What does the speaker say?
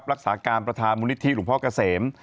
รักษาการประธานมูลนิธิหลวงพ่อเกษม